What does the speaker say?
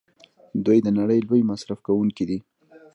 دوی د نړۍ لوی مصرف کوونکي دي.